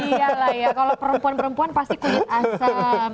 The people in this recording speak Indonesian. iya lah ya kalau perempuan perempuan pasti kunyit asam